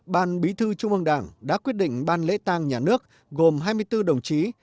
ban bí thư trung ương đảng đã quyết định ban lễ tang nhà nước gồm hai mươi bốn đồng chí